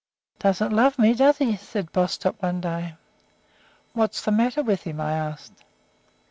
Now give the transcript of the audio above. "Doesn't love me, does he?" said Bostock, one day. "What's the matter with him?" I asked.